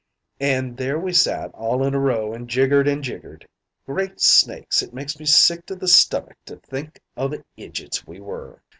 An' there we sat all in a row and jiggered an' jiggered. Great snakes, it makes me sick to the stummick to think o' the idjeets we were.